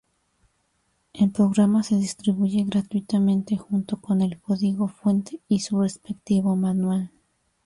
El programa se distribuye gratuitamente junto con el código fuente y su respectivo manual.